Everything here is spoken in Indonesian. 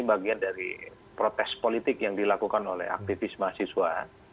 bagian dari protes politik yang dilakukan oleh aktivis mahasiswa